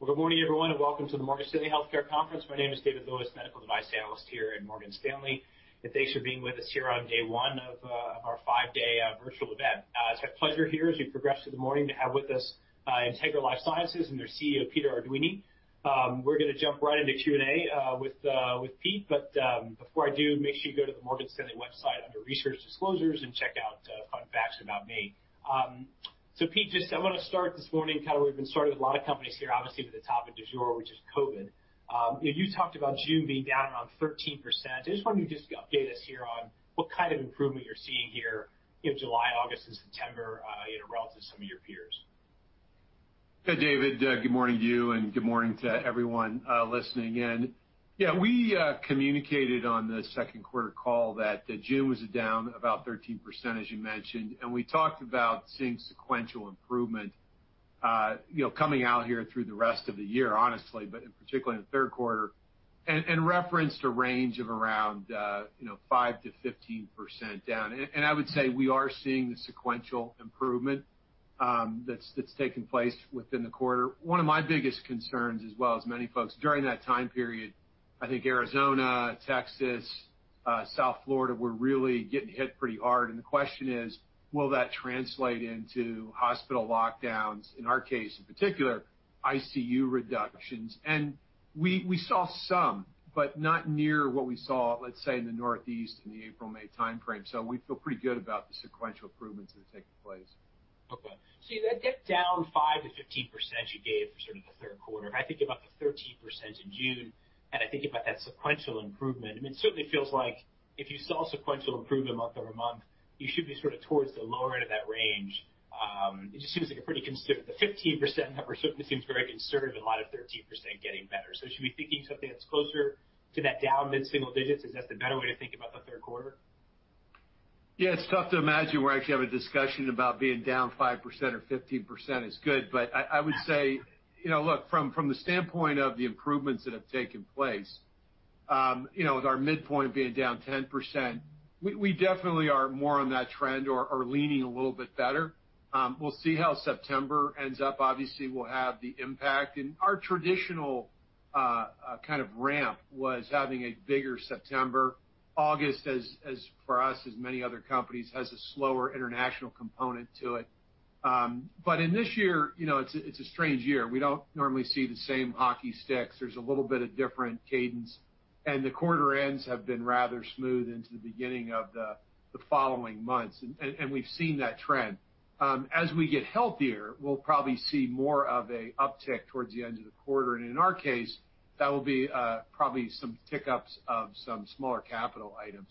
Good morning, everyone, and welcome to the Morgan Stanley Healthcare Conference. My name is David Lewis, medical device analyst here at Morgan Stanley. And thanks for being with us here on day one of our five-day virtual event. It's my pleasure here, as we progress through the morning, to have with us Integra LifeSciences and their CEO, Peter Arduini. We're going to jump right into Q&A with Pete. But before I do, make sure you go to the Morgan Stanley website under Research Disclosures and check out fun facts about me. Pete, just I want to start this morning kind of where we've been starting with a lot of companies here, obviously, with the topic du jour, which is COVID. You talked about June being down around 13%. I just wanted you to just update us here on what kind of improvement you're seeing here in July, August, and September relative to some of your peers. Hey, David Lewis. Good morning, you, and good morning to everyone listening. And yeah, we communicated on the second quarter call that June was down about 13%, as you mentioned. And we talked about seeing sequential improvement coming out here through the rest of the year, honestly, but particularly in the third quarter, and referenced a range of around 5%-15% down. And I would say we are seeing the sequential improvement that's taken place within the quarter. One of my biggest concerns, as well as many folks, during that time period, I think Arizona, Texas, South Florida were really getting hit pretty hard. And the question is, will that translate into hospital lockdowns, in our case in particular, ICU reductions? And we saw some, but not near what we saw, let's say, in the Northeast in the April, May timeframe. So we feel pretty good about the sequential improvements that are taking place. Okay. So you had that down 5%-15% you gave for sort of the third quarter. If I think about the 13% in June, and I think about that sequential improvement, I mean, it certainly feels like if you saw sequential improvement month over month, you should be sort of towards the lower end of that range. It just seems like a pretty conservative, the 15% number certainly seems very conservative, and a lot of 13% getting better. So should we be thinking something that's closer to that down mid-single digits? Is that the better way to think about the third quarter? Yeah, it's tough to imagine where I can have a discussion about being down 5% or 15% is good, but I would say, look, from the standpoint of the improvements that have taken place, with our midpoint being down 10%, we definitely are more on that trend or leaning a little bit better. We'll see how September ends up. Obviously, we'll have the impact, and our traditional kind of ramp was having a bigger September. August, for us, as many other companies, has a slower international component to it, but in this year, it's a strange year. We don't normally see the same hockey sticks. There's a little bit of different cadence, and the quarter ends have been rather smooth into the beginning of the following months, and we've seen that trend. As we get healthier, we'll probably see more of an uptick towards the end of the quarter. In our case, that will be probably some pickups of some smaller capital items.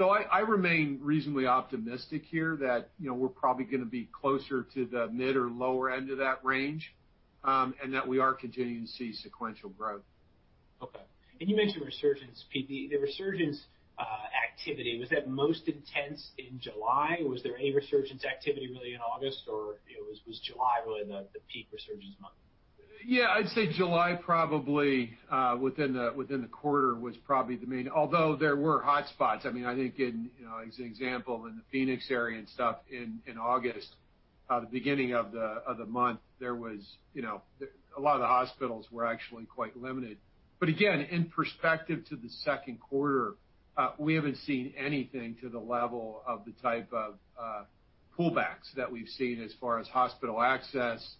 I remain reasonably optimistic here that we're probably going to be closer to the mid or lower end of that range and that we are continuing to see sequential growth. Okay. And you mentioned resurgence, Pete. The resurgence activity, was that most intense in July? Was there any resurgence activity really in August, or was July really the peak resurgence month? Yeah, I'd say July probably within the quarter was probably the main. Although there were hotspots. I mean, I think as an example, in the Phoenix area and stuff in August, the beginning of the month, there was a lot of the hospitals were actually quite limited. But again, in perspective to the second quarter, we haven't seen anything to the level of the type of pullbacks that we've seen as far as hospital access,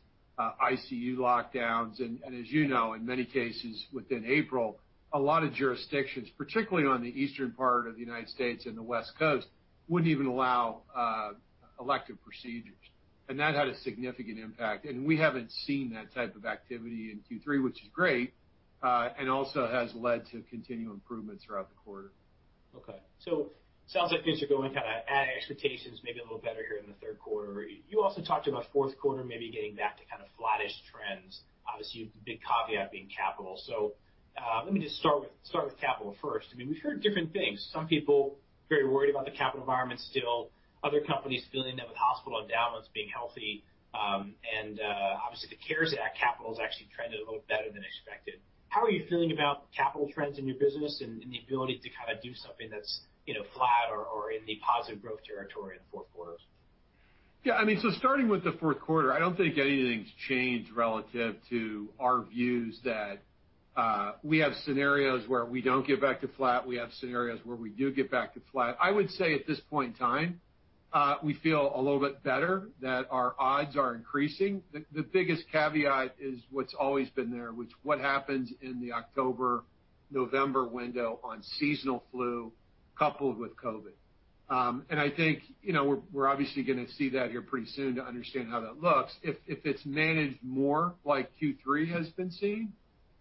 ICU lockdowns. And as you know, in many cases within April, a lot of jurisdictions, particularly on the eastern part of the United States and the West Coast, wouldn't even allow elective procedures. And that had a significant impact. And we haven't seen that type of activity in Q3, which is great, and also has led to continued improvements throughout the quarter. Okay, so it sounds like things are going kind of at expectations, maybe a little better here in the third quarter. You also talked about fourth quarter maybe getting back to kind of flattish trends. Obviously, the big caveat being capital, so let me just start with capital first. I mean, we've heard different things. Some people are very worried about the capital environment still. Other companies feeling that with hospital endowments being healthy, and obviously, the CARES Act capital has actually trended a little better than expected. How are you feeling about capital trends in your business and the ability to kind of do something that's flat or in the positive growth territory in the fourth quarter? Yeah. I mean, so starting with the fourth quarter, I don't think anything's changed relative to our views that we have scenarios where we don't get back to flat. We have scenarios where we do get back to flat. I would say at this point in time, we feel a little bit better that our odds are increasing. The biggest caveat is what's always been there, which is what happens in the October-November window on seasonal flu coupled with COVID. And I think we're obviously going to see that here pretty soon to understand how that looks. If it's managed more like Q3 has been seen,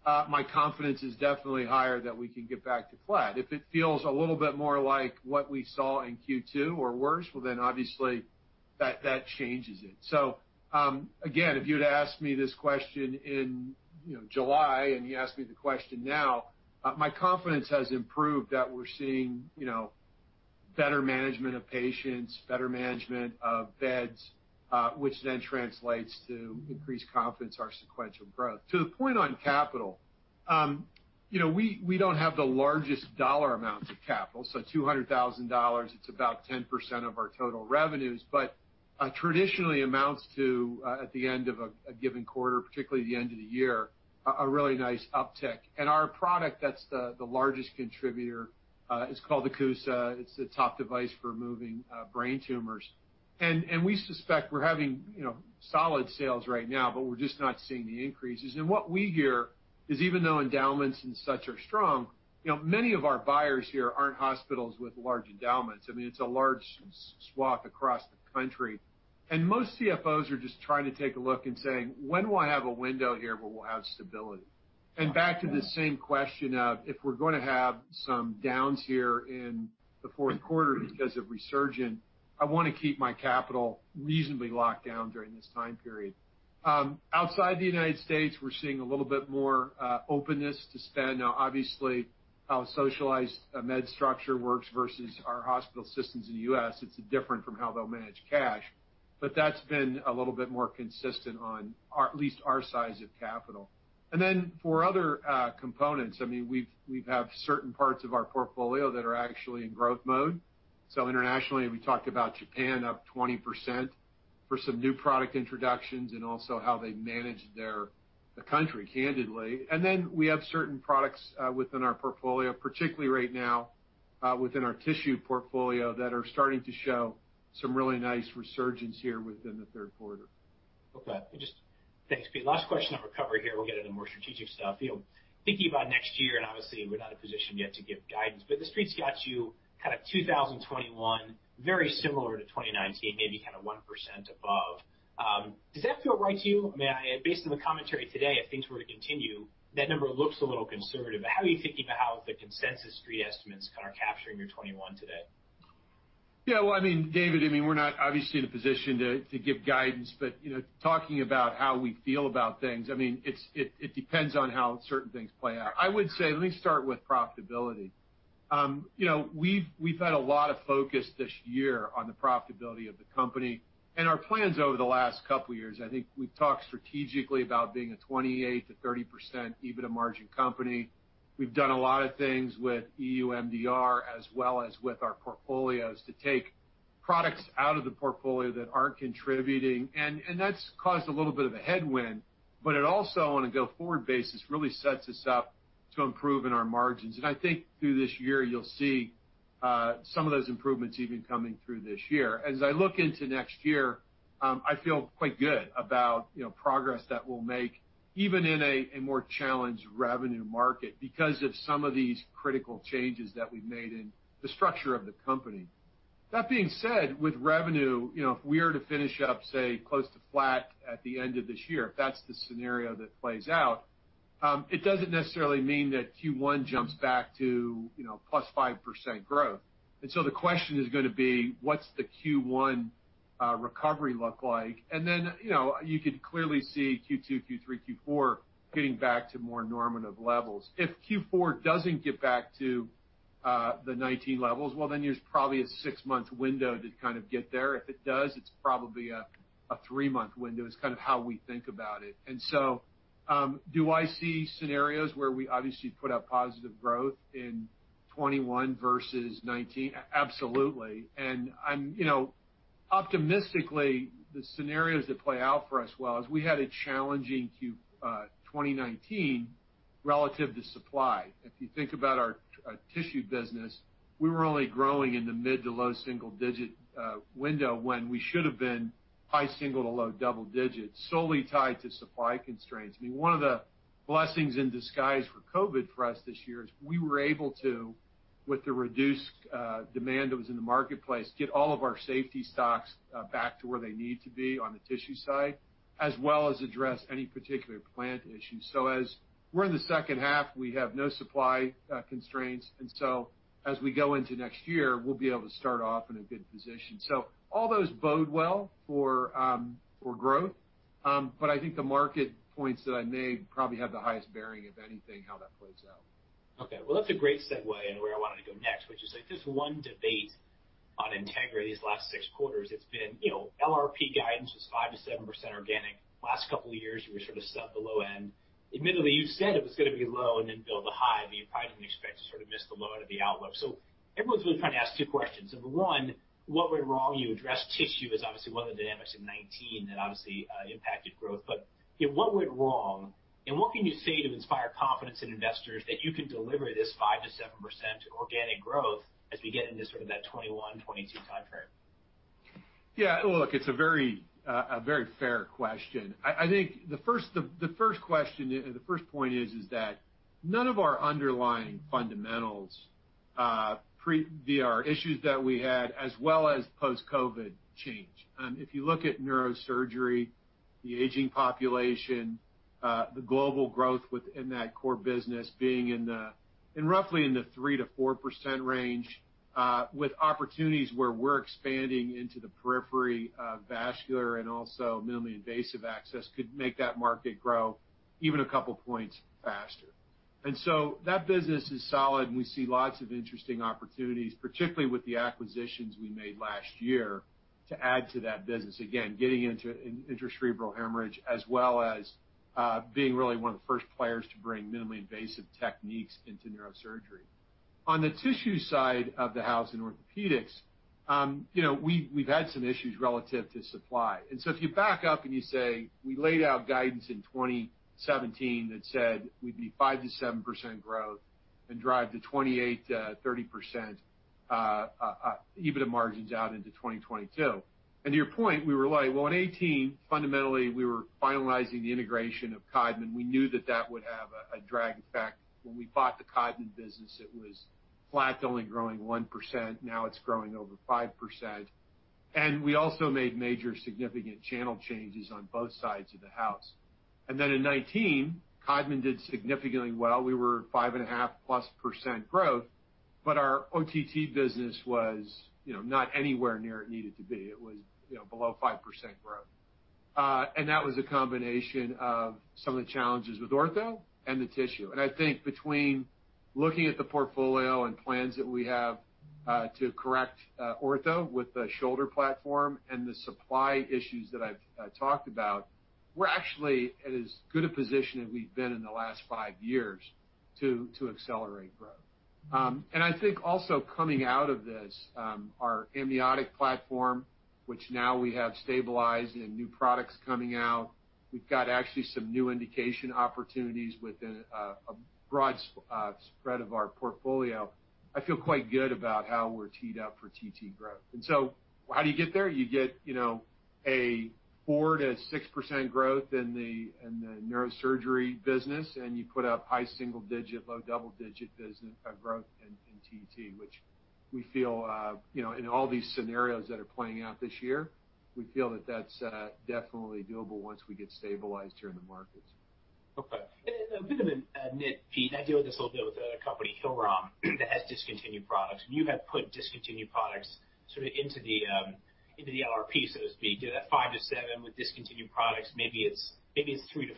my confidence is definitely higher that we can get back to flat. If it feels a little bit more like what we saw in Q2 or worse, well, then obviously that changes it. So again, if you had asked me this question in July and you asked me the question now, my confidence has improved that we're seeing better management of patients, better management of beds, which then translates to increased confidence, our sequential growth. To the point on capital, we don't have the largest dollar amounts of capital. So $200,000, it's about 10% of our total revenues, but traditionally amounts to, at the end of a given quarter, particularly the end of the year, a really nice uptick. And our product that's the largest contributor is called CUSA. It's the top device for removing brain tumors. And we suspect we're having solid sales right now, but we're just not seeing the increases. And what we hear is even though endowments and such are strong, many of our buyers here aren't hospitals with large endowments. I mean, it's a large swath across the country. And most CFOs are just trying to take a look and saying, "When will I have a window here where we'll have stability?" And back to the same question of if we're going to have some downs here in the fourth quarter because of resurgence, I want to keep my capital reasonably locked down during this time period. Outside the United States, we're seeing a little bit more openness to spend. Now, obviously, how a socialized medicine structure works versus our hospital systems in the U.S., it's different from how they'll manage cash. But that's been a little bit more consistent on at least our size of capital. And then for other components, I mean, we have certain parts of our portfolio that are actually in growth mode. So internationally, we talked about Japan up 20% for some new product introductions and also how they manage the country, candidly. And then we have certain products within our portfolio, particularly right now within our tissue portfolio, that are starting to show some really nice resurgence here within the third quarter. Okay. Thanks, Peter Arduini. Last question on recovery here. We'll get into more strategic stuff. Thinking about next year, and obviously, we're not in a position yet to give guidance, but the streets got you kind of 2021 very similar to 2019, maybe kind of 1% above. Does that feel right to you? I mean, based on the commentary today, if things were to continue, that number looks a little conservative. But how are you thinking about how the consensus street estimates kind of are capturing your '21 today? Yeah. Well, I mean, David Lewis, I mean, we're not obviously in a position to give guidance. But talking about how we feel about things, I mean, it depends on how certain things play out. I would say, let me start with profitability. We've had a lot of focus this year on the profitability of the company. And our plans over the last couple of years, I think we've talked strategically about being a 28%-30% EBITDA margin company. We've done a lot of things with EU MDR as well as with our portfolios to take products out of the portfolio that aren't contributing. And that's caused a little bit of a headwind. But it also, on a go-forward basis, really sets us up to improve in our margins. And I think through this year, you'll see some of those improvements even coming through this year. As I look into next year, I feel quite good about progress that we'll make, even in a more challenged revenue market, because of some of these critical changes that we've made in the structure of the company. That being said, with revenue, if we are to finish up, say, close to flat at the end of this year, if that's the scenario that plays out, it doesn't necessarily mean that Q1 jumps back to plus 5% growth. And so the question is going to be, what's the Q1 recovery look like? And then you could clearly see Q2, Q3, Q4 getting back to more normative levels. If Q4 doesn't get back to the '19 levels, well, then there's probably a six-month window to kind of get there. If it does, it's probably a three-month window, is kind of how we think about it. And so do I see scenarios where we obviously put up positive growth in 2021 versus 2019? Absolutely. And optimistically, the scenarios that play out for us well, as we had a challenging 2019 relative to supply. If you think about our tissue business, we were only growing in the mid- to low-single-digit window when we should have been high-single- to low-double-digits, solely tied to supply constraints. I mean, one of the blessings in disguise for COVID for us this year is we were able to, with the reduced demand that was in the marketplace, get all of our safety stocks back to where they need to be on the tissue side, as well as address any particular plant issues. So as we're in the second half, we have no supply constraints. As we go into next year, we'll be able to start off in a good position. All those bode well for growth. I think the market points that I made probably have the highest bearing, if anything, how that plays out. Okay. Well, that's a great segue into where I wanted to go next, which is there's one debate on Integra these last six quarters. It's been LRP guidance was 5%-7% organic. Last couple of years, we were sort of stuck below [the] end. Admittedly, you said it was going to be low and then build to high, but you probably didn't expect to sort of miss the low end of the outlook. So everyone's really trying to ask two questions. Number one, what went wrong? You addressed tissue as obviously one of the dynamics in 2019 that obviously impacted growth. But what went wrong? And what can you say to inspire confidence in investors that you can deliver this 5%-7% organic growth as we get into sort of that 2021, 2022 timeframe? Yeah. Look, it's a very fair question. I think the first question, the first point is that none of our underlying fundamentals via our issues that we had as well as post-COVID change. If you look at neurosurgery, the aging population, the global growth within that core business being roughly in the 3%-4% range, with opportunities where we're expanding into the periphery of vascular and also minimally invasive access could make that market grow even a couple of points faster. And so that business is solid. And we see lots of interesting opportunities, particularly with the acquisitions we made last year to add to that business. Again, getting into intracerebral hemorrhage as well as being really one of the first players to bring minimally invasive techniques into neurosurgery. On the tissue side of the house in orthopedics, we've had some issues relative to supply. And so if you back up and you say, we laid out guidance in 2017 that said we'd be 5%-7% growth and drive the 28%-30% EBITDA margins out into 2022. And to your point, we were like, well, in 2018, fundamentally, we were finalizing the integration of Codman. We knew that that would have a drag effect. When we bought the Codman business, it was flat, only growing 1%. Now it's growing over 5%. And we also made major significant channel changes on both sides of the house. And then in 2019, Codman did significantly well. We were 5.5% plus growth, but our OTT business was not anywhere near it needed to be. It was below 5% growth. And that was a combination of some of the challenges with ortho and the tissue. And I think between looking at the portfolio and plans that we have to correct ortho with the shoulder platform and the supply issues that I've talked about, we're actually in as good a position as we've been in the last five years to accelerate growth. And I think also coming out of this, our amniotic platform, which now we have stabilized and new products coming out, we've got actually some new indication opportunities within a broad spread of our portfolio. I feel quite good about how we're teed up for TT growth. And so how do you get there? You get a 4%-6% growth in the neurosurgery business, and you put up high single-digit, low double-digit growth in TT, which we feel in all these scenarios that are playing out this year, we feel that that's definitely doable once we get stabilized here in the markets. Okay. And a bit of a nitpick. I deal with this a little bit with a company, Hillrom, that has discontinued products. And you have put discontinued products sort of into the LRP, so to speak. That 5%-7% with discontinued products, maybe it's 3%-4%.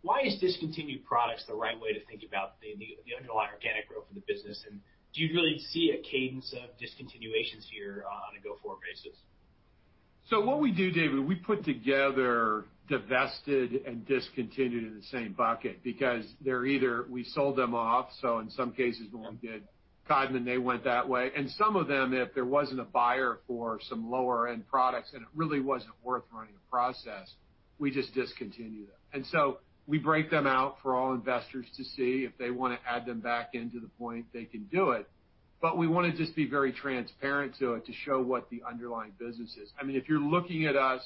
Why is discontinued products the right way to think about the underlying organic growth for the business? And do you really see a cadence of discontinuations here on a go-forward basis? So what we do, David Lewis, we put together divested and discontinued in the same bucket because they're either we sold them off. So in some cases, when we did Codman, they went that way. And some of them, if there wasn't a buyer for some lower-end products and it really wasn't worth running a process, we just discontinue them. And so we break them out for all investors to see if they want to add them back into the point, they can do it. But we want to just be very transparent to it to show what the underlying business is. I mean, if you're looking at us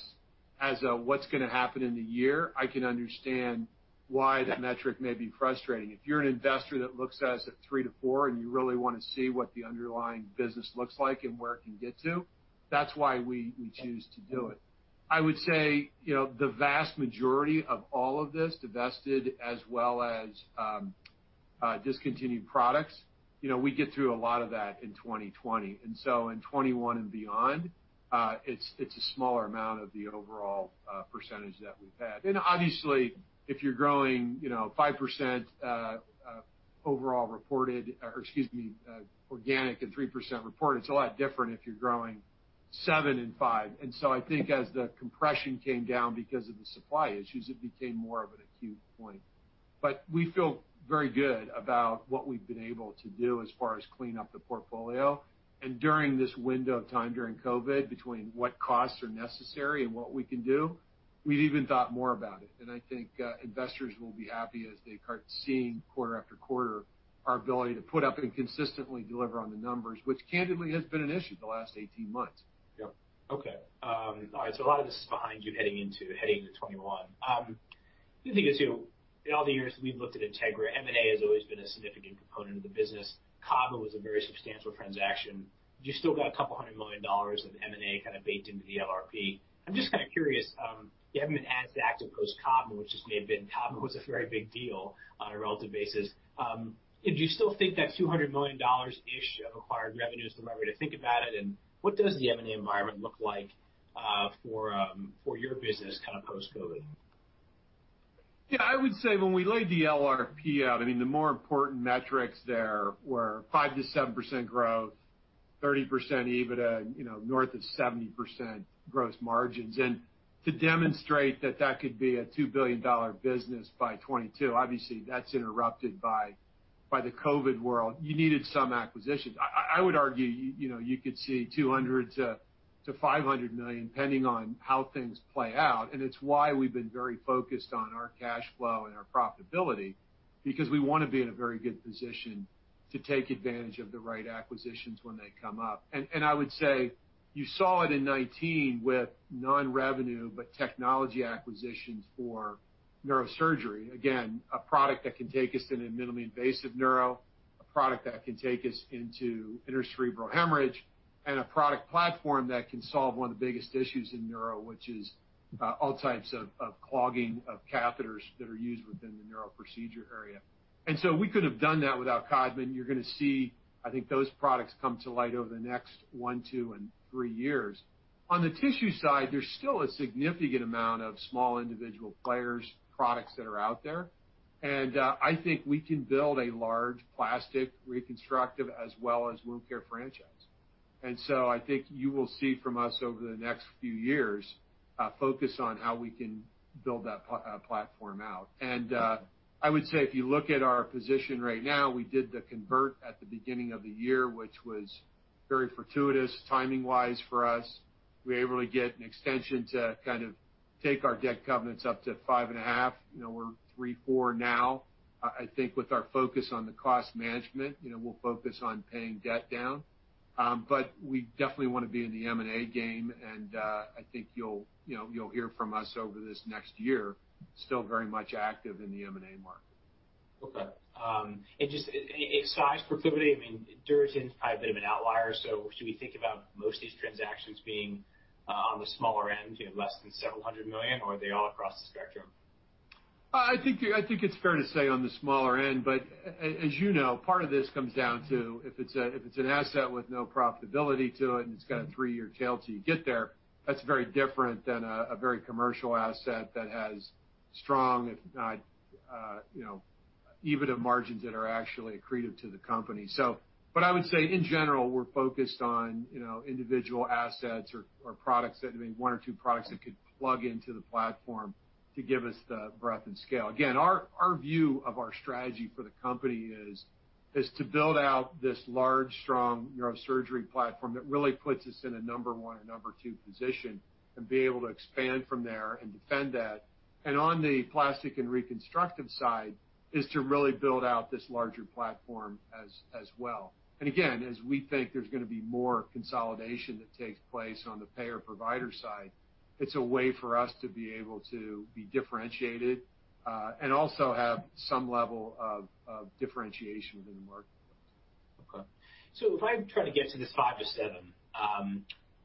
as a what's going to happen in the year, I can understand why that metric may be frustrating. If you're an investor that looks at us at 3%-4% and you really want to see what the underlying business looks like and where it can get to, that's why we choose to do it. I would say the vast majority of all of this, divested as well as discontinued products, we get through a lot of that in 2020. And so in 2021 and beyond, it's a smaller amount of the overall percentage that we've had. And obviously, if you're growing 5% overall reported or, excuse me, organic and 3% reported, it's a lot different if you're growing 7% and 5%. And so I think as the compression came down because of the supply issues, it became more of an acute point. But we feel very good about what we've been able to do as far as clean up the portfolio. And during this window of time during COVID, between what costs are necessary and what we can do, we've even thought more about it. And I think investors will be happy as they start seeing quarter after quarter our ability to put up and consistently deliver on the numbers, which candidly has been an issue the last 18 months. Yep. Okay. All right. So a lot of this is behind you heading into 2021. The other thing is, in all the years we've looked at Integra, M&A has always been a significant component of the business. Codman was a very substantial transaction. You still got $200 million of M&A kind of baked into the LRP. I'm just kind of curious. You haven't been as active post-Codman, which just may have been Codman was a very big deal on a relative basis. Do you still think that $200 million-ish of acquired revenue is the right way to think about it? And what does the M&A environment look like for your business kind of post-COVID? Yeah. I would say when we laid the LRP out, I mean, the more important metrics there were 5%-7% growth, 30% EBITDA, north of 70% gross margins to demonstrate that that could be a $2 billion business by 2022. Obviously, that's interrupted by the COVID world. You needed some acquisitions. I would argue you could see $200 million-$500 million depending on how things play out. It's why we've been very focused on our cash flow and our profitability because we want to be in a very good position to take advantage of the right acquisitions when they come up. I would say you saw it in 2019 with non-revenue, but technology acquisitions for neurosurgery. Again, a product that can take us into minimally invasive neuro, a product that can take us into intracerebral hemorrhage, and a product platform that can solve one of the biggest issues in neuro, which is all types of clogging of catheters that are used within the neuro procedure area. And so we couldn't have done that without Codman. You're going to see, I think, those products come to light over the next one, two, and three years. On the tissue side, there's still a significant amount of small individual players' products that are out there. And I think we can build a large plastic reconstructive as well as wound care franchise. And so I think you will see from us over the next few years a focus on how we can build that platform out. I would say if you look at our position right now, we did the convert at the beginning of the year, which was very fortuitous timing-wise for us. We were able to get an extension to kind of take our debt covenants up to 5.5%. We're 3%-4% now. I think with our focus on the cost management, we'll focus on paying debt down. But we definitely want to be in the M&A game. I think you'll hear from us over this next year, still very much active in the M&A market. Okay. And just size proclivity, I mean, DuraGen is probably a bit of an outlier. So should we think about most of these transactions being on the smaller end, less than several hundred million, or are they all across the spectrum? I think it's fair to say on the smaller end. But as you know, part of this comes down to if it's an asset with no profitability to it and it's got a three-year tail till you get there, that's very different than a very commercial asset that has strong, if not even above margins that are actually accretive to the company. But I would say in general, we're focused on individual assets or products that may be one or two products that could plug into the platform to give us the breadth and scale. Again, our view of our strategy for the company is to build out this large, strong neurosurgery platform that really puts us in a number one or number two position and be able to expand from there and defend that. And on the plastic and reconstructive side is to really build out this larger platform as well. And again, as we think there's going to be more consolidation that takes place on the payer-provider side, it's a way for us to be able to be differentiated and also have some level of differentiation within the marketplace. Okay. So if I try to get to this 5%-7%,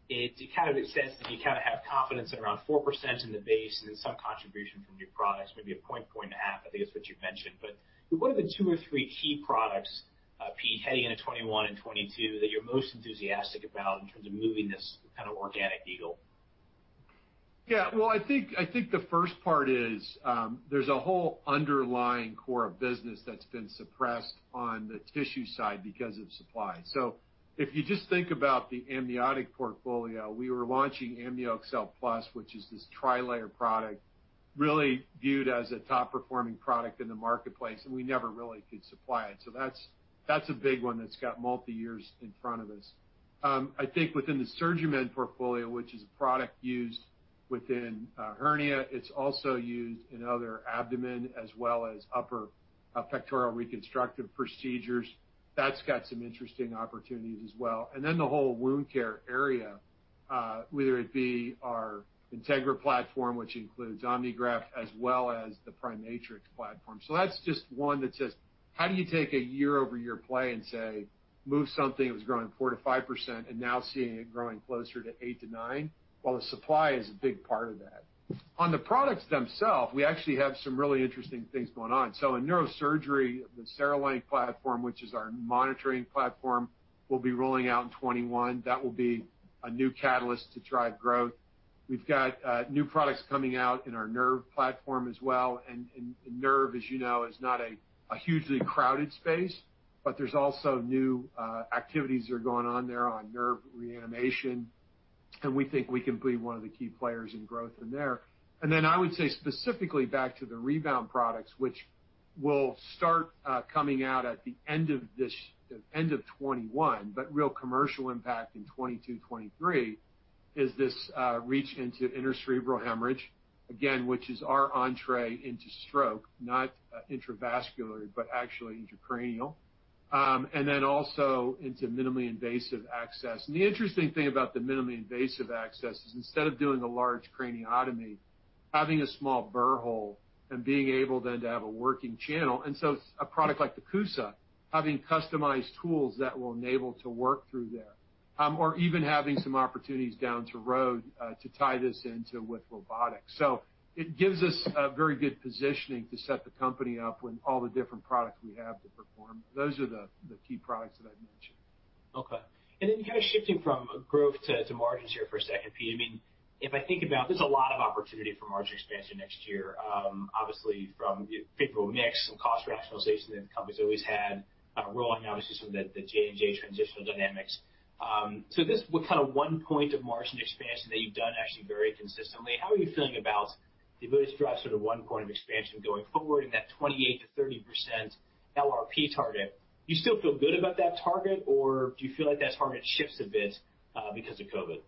it kind of makes sense that you kind of have confidence at around 4% in the base and then some contribution from new products, maybe a point, point and a half, I think is what you've mentioned. But what are the two or three key products, Peter Arduini, heading into 2021 and 2022 that you're most enthusiastic about in terms of moving this kind of organic needle? Yeah. Well, I think the first part is there's a whole underlying core of business that's been suppressed on the tissue side because of supply. So if you just think about the amniotic portfolio, we were launching AmnioExcel Plus, which is this tri-layer product really viewed as a top-performing product in the marketplace, and we never really could supply it. So that's a big one that's got multi-years in front of us. I think within the SurgiMend portfolio, which is a product used within hernia, it's also used in other abdomen as well as upper pectoral reconstructive procedures. That's got some interesting opportunities as well. And then the whole wound care area, whether it be our Integra platform, which includes OmniGraft as well as the PriMatrix platform. So that's just one that says, how do you take a year-over-year play and say, move something that was growing 4%-5% and now seeing it growing closer to 8%-9% while the supply is a big part of that? On the products themselves, we actually have some really interesting things going on. So in neurosurgery, the CereLink platform, which is our monitoring platform, will be rolling out in 2021. That will be a new catalyst to drive growth. We've got new products coming out in our nerve platform as well. And nerve, as you know, is not a hugely crowded space, but there's also new activities that are going on there on nerve reanimation. And we think we can be one of the key players in growth in there. And then I would say specifically back to the Rebound products, which will start coming out at the end of 2021, but real commercial impact in 2022, 2023 is this reach into intracerebral hemorrhage, again, which is our entry into stroke, not intravascularly, but actually intracranial, and then also into minimally invasive access. And the interesting thing about the minimally invasive access is instead of doing a large craniotomy, having a small burr hole and being able then to have a working channel. And so a product like the CUSA, having customized tools that will enable to work through there or even having some opportunities down the road to tie this into with robotics. So it gives us a very good positioning to set the company up with all the different products we have to perform. Those are the key products that I've mentioned. Okay. And then kind of shifting from growth to margins here for a second, Peter Arduini. I mean, if I think about there's a lot of opportunity for margin expansion next year, obviously from favorable mix and cost rationalization that the company's always had, rolling obviously some of the J&J transitional dynamics. So this was kind of one point of margin expansion that you've done actually very consistently. How are you feeling about the ability to drive sort of one point of expansion going forward in that 28%-30% LRP target? Do you still feel good about that target, or do you feel like that target shifts a bit because of COVID?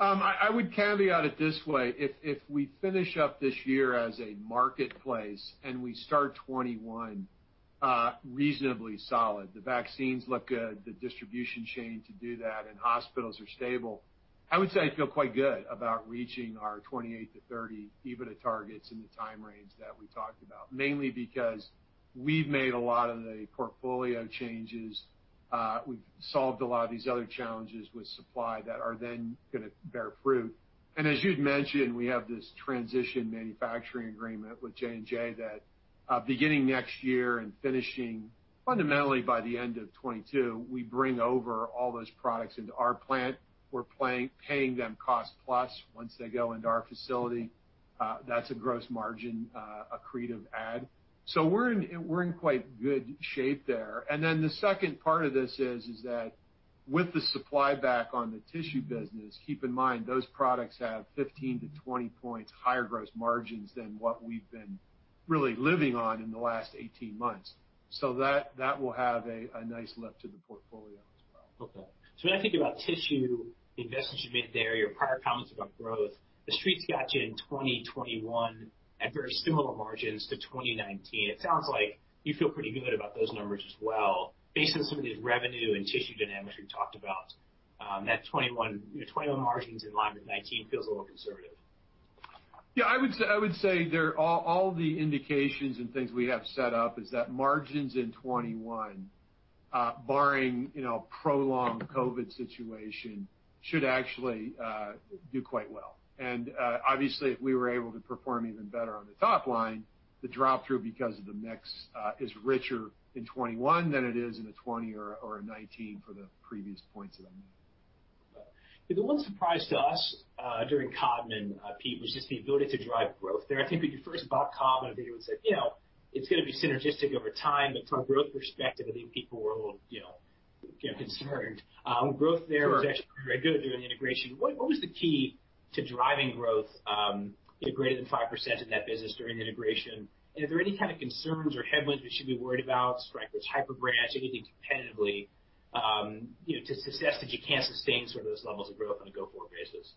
I would caveat it this way. If we finish up this year as a marketplace and we start 2021 reasonably solid, the vaccines look good, the distribution chain to do that, and hospitals are stable, I would say I feel quite good about reaching our 28%-30% EBITDA targets in the time range that we talked about, mainly because we've made a lot of the portfolio changes. We've solved a lot of these other challenges with supply that are then going to bear fruit. And as you'd mentioned, we have this transition manufacturing agreement with J&J that beginning next year and finishing fundamentally by the end of 2022, we bring over all those products into our plant. We're paying them cost plus once they go into our facility. That's a gross margin accretive add. So we're in quite good shape there. And then the second part of this is that with the supply back on the tissue business, keep in mind those products have 15-20 points higher gross margins than what we've been really living on in the last 18 months. So that will have a nice lift to the portfolio as well. Okay. So when I think about tissue investments you made there, your prior comments about growth, the streets got you in 2021 at very similar margins to 2019. It sounds like you feel pretty good about those numbers as well. Based on some of these revenue and tissue dynamics we've talked about, that 2021 margins in line with 2019 feels a little conservative. Yeah. I would say all the indications and things we have set up is that margins in 2021, barring prolonged COVID situation, should actually do quite well. And obviously, if we were able to perform even better on the top line, the drop-through because of the mix is richer in 2021 than it is in 2020 or 2019 for the previous points that I made. The one surprise to us during Codman, Peter Arduini, was just the ability to drive growth there. I think when you first bought Codman, I think everyone said, "It's going to be synergistic over time," but from a growth perspective, I think people were a little concerned. Growth there was actually very good during integration. What was the key to driving growth, greater than 5% in that business during integration? And are there any kind of concerns or headwinds we should be worried about, Stryker's Hyper brands, anything competitively to success that you can't sustain sort of those levels of growth on a go-forward basis?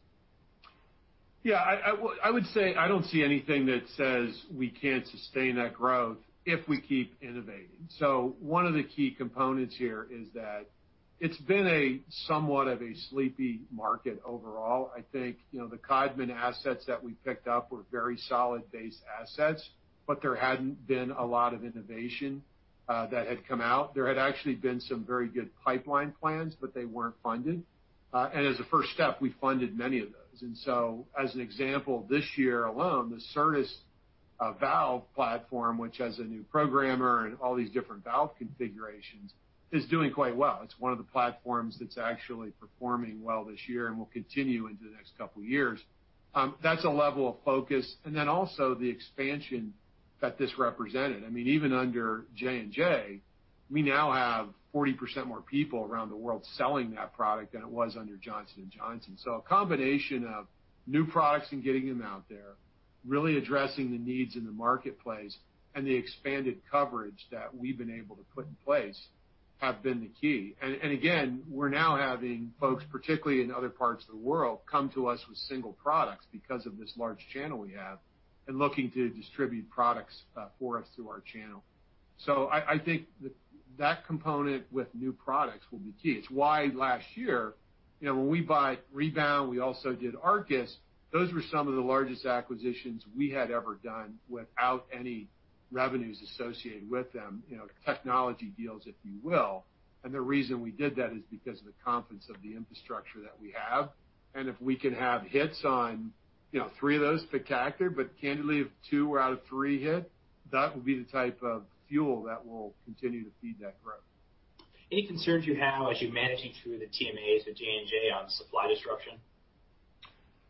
Yeah. I would say I don't see anything that says we can't sustain that growth if we keep innovating. So one of the key components here is that it's been somewhat of a sleepy market overall. I think the Codman assets that we picked up were very solid-based assets, but there hadn't been a lot of innovation that had come out. There had actually been some very good pipeline plans, but they weren't funded. And as a first step, we funded many of those. And so as an example, this year alone, the Certas valve platform, which has a new programmer and all these different valve configurations, is doing quite well. It's one of the platforms that's actually performing well this year and will continue into the next couple of years. That's a level of focus. And then also the expansion that this represented. I mean, even under J&J, we now have 40% more people around the world selling that product than it was under Johnson & Johnson. So a combination of new products and getting them out there, really addressing the needs in the marketplace and the expanded coverage that we've been able to put in place have been the key. And again, we're now having folks, particularly in other parts of the world, come to us with single products because of this large channel we have and looking to distribute products for us through our channel. So I think that component with new products will be key. It's why last year, when we bought Rebound, we also did Arkis. Those were some of the largest acquisitions we had ever done without any revenues associated with them, technology deals, if you will. And the reason we did that is because of the confidence of the infrastructure that we have. And if we can have hits on three of those spectacular, but candidly, if two out of three hit, that will be the type of fuel that will continue to feed that growth. Any concerns you have as you're managing through the TMAs at J&J on supply disruption?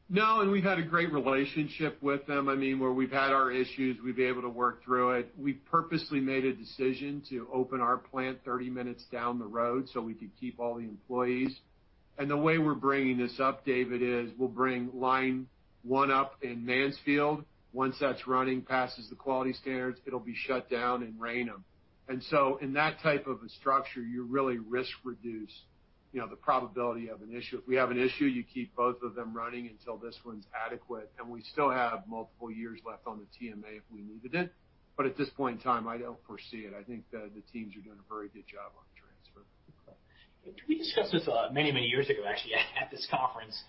No. And we've had a great relationship with them. I mean, where we've had our issues, we've been able to work through it. We purposely made a decision to open our plant 30 minutes down the road so we could keep all the employees. And the way we're bringing this up, David Lewis, is we'll bring line one up in Mansfield. Once that's running, passes the quality standards, it'll be shut down in Raynham. And so in that type of a structure, you really risk reduce the probability of an issue. If we have an issue, you keep both of them running until this one's adequate. And we still have multiple years left on the TMA if we needed it. But at this point in time, I don't foresee it. I think the teams are doing a very good job on transfer. We discussed this many, many years ago, actually, at this conference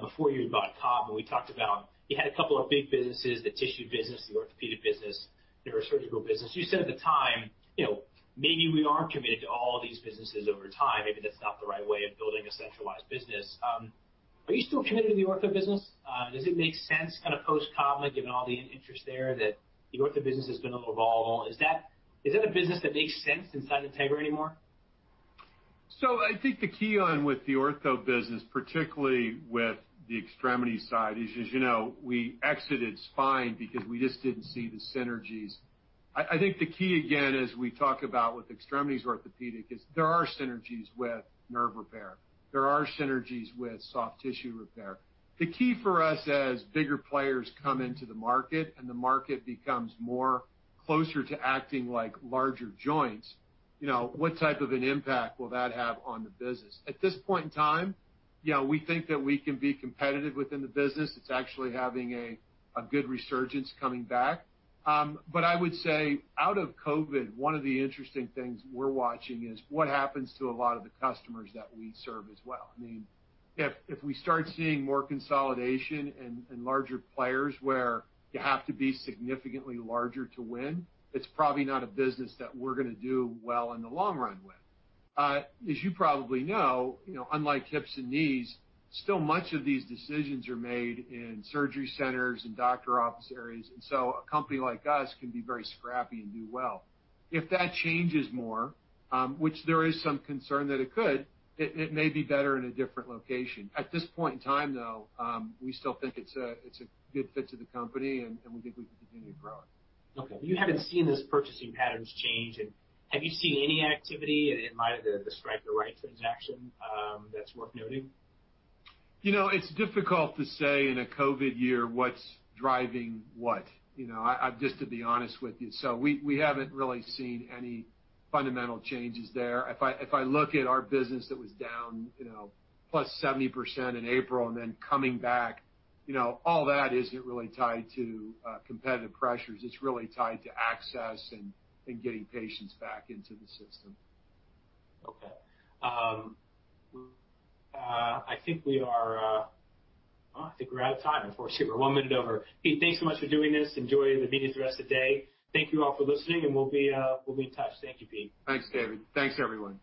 before you had bought Codman. We talked about you had a couple of big businesses, the tissue business, the orthopedic business, neurosurgical business. You said at the time, maybe we aren't committed to all these businesses over time. Maybe that's not the right way of building a centralized business. Are you still committed to the ortho business? Does it make sense kind of post-Codman, given all the interest there that the ortho business has been a little volatile? Is that a business that makes sense inside Integra anymore? So I think the key on with the ortho business, particularly with the extremity side, is as you know, we exited spine because we just didn't see the synergies. I think the key, again, as we talk about with extremities orthopedic, is there are synergies with nerve repair. There are synergies with soft tissue repair. The key for us as bigger players come into the market and the market becomes more closer to acting like larger joints, what type of an impact will that have on the business? At this point in time, we think that we can be competitive within the business. It's actually having a good resurgence coming back. But I would say out of COVID, one of the interesting things we're watching is what happens to a lot of the customers that we serve as well. I mean, if we start seeing more consolidation and larger players where you have to be significantly larger to win, it's probably not a business that we're going to do well in the long run with. As you probably know, unlike hips and knees, still much of these decisions are made in surgery centers and doctor office areas. And so a company like us can be very scrappy and do well. If that changes more, which there is some concern that it could, it may be better in a different location. At this point in time, though, we still think it's a good fit to the company, and we think we can continue to grow it. Okay. You haven't seen those purchasing patterns change. And have you seen any activity in light of the Stryker-Wright transaction that's worth noting? It's difficult to say in a COVID year what's driving what. Just to be honest with you. So we haven't really seen any fundamental changes there. If I look at our business that was down plus 70% in April and then coming back, all that isn't really tied to competitive pressures. It's really tied to access and getting patients back into the system. Okay. I think we are well, I think we're out of time. Unfortunately, we're one minute over. Pete, thanks so much for doing this. Enjoy the meeting for the rest of the day. Thank you all for listening, and we'll be in touch. Thank you, Pete. Thanks, David Lewis. Thanks, everyone.